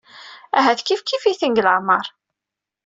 Ahat kifkif-iten deg leɛmer.